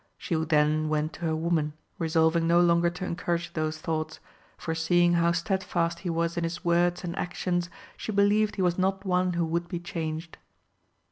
She then went to her woman resolving no longer to encourage those thoughts, for seeing how steadfast he was in his words and actions she believed he was not one who would be changed.